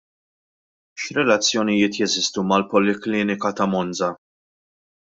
X'relazzjonjiet jeżistu mal-poliklinika ta' Monza?